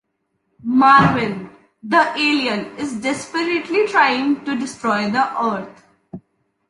Marvin, the alien, is desperately trying to destroy the Earth.